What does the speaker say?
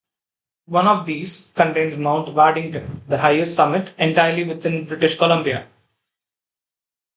One of these contains Mount Waddington, the highest summit entirely within British Columbia.